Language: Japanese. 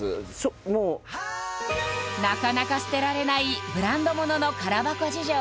なかなか捨てられないブランド物の空箱事情